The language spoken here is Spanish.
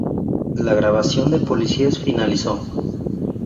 La grabación de "Policías" finalizó.